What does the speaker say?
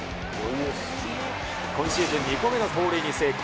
今シーズン２個目の盗塁に成功。